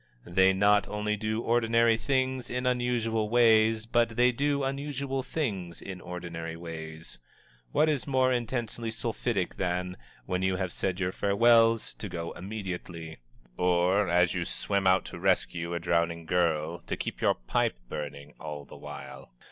They not only do ordinary things in unusual ways, but they do unusual things in ordinary ways. What is more intensely sulphitic than, when you have said your farewells, to go immediately? Or, as you swim out to rescue a drowning girl, to keep your pipe burning, all the while?